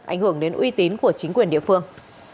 ảnh hưởng đến uy tín của chính quyền địa phương